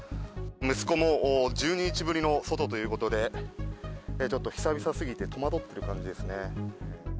息子も１２日ぶりの外ということで、ちょっと久々すぎて戸惑ってる感じですね。